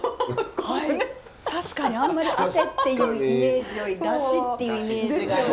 はい確かにあんまりあてっていうイメージよりだしっていうイメージがね。